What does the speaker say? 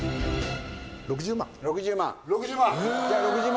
６０万。